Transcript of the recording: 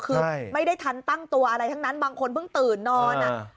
คือไม่ได้ทันตั้งตัวอะไรทั้งนั้นบางคนเพิ่งตื่นนอน